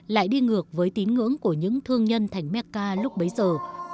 lại đi ngược với tín ngưỡng của những thương nhân thành mecca lúc bấy giờ